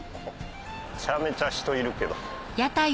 めちゃめちゃ人いるけど。